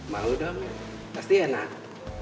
mau dong pasti enak